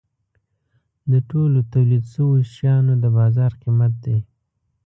د ټولو تولید شوو شیانو د بازار قیمت دی.